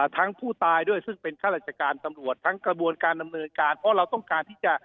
ทั้งผู้ตายด้วยซึ่งเป็นข้ารักษาการ